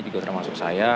juga termasuk saya